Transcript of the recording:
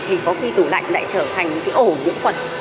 thì có khi thủ lạnh lại trở thành ổ dũng quần